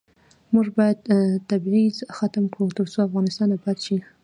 موږ باید تبعیض ختم کړو ، ترڅو افغانستان اباد شي.